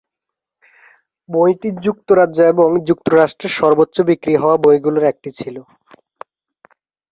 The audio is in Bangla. বইটি যুক্তরাজ্য এবং যুক্তরাষ্ট্রে সর্বোচ্চ বিক্রি হওয়া বইগুলোর একটি ছিল।